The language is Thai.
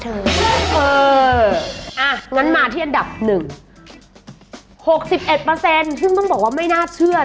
ทำไมอะ